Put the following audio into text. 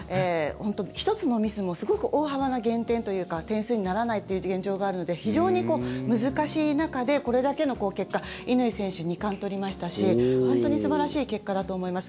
１つのミスもすごく大幅な減点というか点数にならないという現状があるので非常に難しい中でこれだけの結果乾選手、２冠取りましたし本当に素晴らしい結果だと思います。